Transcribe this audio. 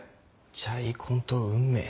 『チャイコン』と『運命』。